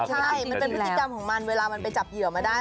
ใช่มันเป็นพฤติกรรมของมันเวลามันไปจับเหยื่อมาได้